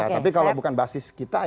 tapi kalau bukan basis kita